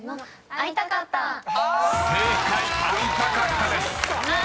「会いたかった」です］